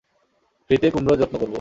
ফ্রি-তে কুমড়োর যত্ন করব।